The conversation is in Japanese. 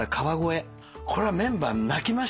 これはメンバー泣きましたね。